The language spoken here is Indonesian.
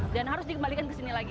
dan harus dikembalikan ke sini lagi